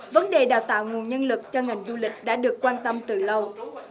vấn đề đào tạo nguồn nhân lực cho ngành du lịch đã được quan tâm từ lâu